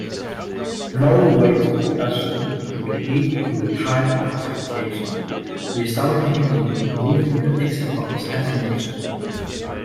Low-rate production would lead to type-classification, resulting in removing the "X" from its designation.